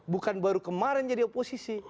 bukan baru kemarin jadi oposisi